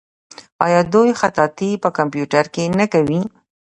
آیا دوی خطاطي په کمپیوټر کې نه کوي؟